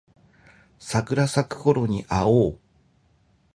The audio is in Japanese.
桜咲くころに会おう